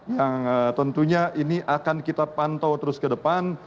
yang tentunya ini akan kita pantau terus ke depan